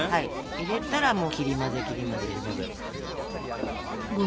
入れたらもう切り混ぜ切り混ぜですよ。